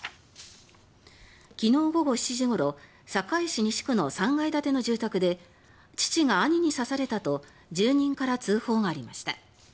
昨日午後７時ごろ堺市西区の３階建ての住宅で父が兄に刺されたと住人から通報がありました。